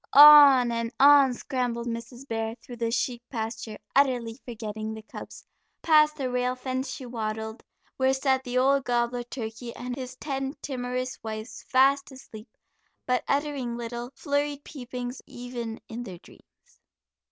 On and on scrambled Mrs. Bear through the sheep pasture, utterly forgetting the cubs; past the rail fence she waddled, where sat the old gobbler turkey and his ten timorous wives, fast asleep, but uttering little, flurried peepings even in their dreams.